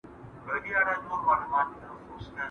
ښار واله ته پوه شه او دا تمامي ښار دې پوه شه